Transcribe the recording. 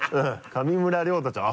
上村諒太ちゃん